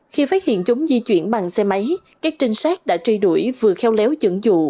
khi phát hiện chúng di chuyển bằng xe máy các trinh sát đã truy đuổi vừa kheo léo dẫn dụ